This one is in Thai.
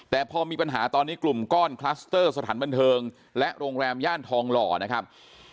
แต่พอมีปัญหาตอนนี้กลุ่มก้อนคลัสเตอร์สถานบันเทิงและโรงแรมย่านทองหล่อนะครับ